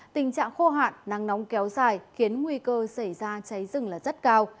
tình trạng khô hạn nắng nóng kéo dài khiến nguy cơ xảy ra cháy rừng là rất cao